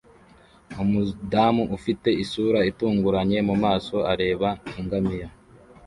Umudamu ufite isura itunguranye mumaso areba ingamiya